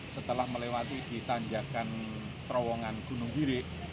setelah melewati di tanjakan terowongan gunung giri